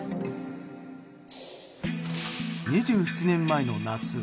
２７年前の夏。